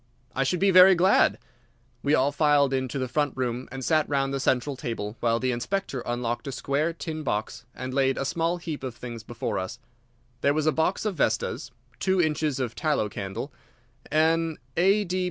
"I should be very glad." We all filed into the front room and sat round the central table while the Inspector unlocked a square tin box and laid a small heap of things before us. There was a box of vestas, two inches of tallow candle, an A.